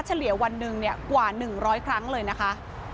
เฉลยวันหนึ่งกว่า๑๐๐ครั้งเลยนะคะ